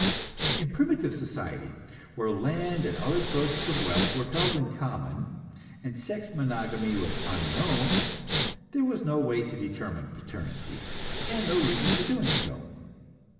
In primitive society, where land and other sources of wealth were held in common, and sex monogamy was unknown, there was no way to determine paternity, and no reason for doing so.